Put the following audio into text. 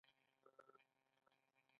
رسميات په څو بجو پیلیږي؟